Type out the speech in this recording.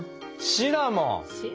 シナモン！